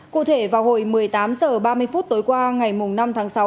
cụ thể vào hồi một mươi tám h ba mươi phút tối qua ngày năm tháng sáu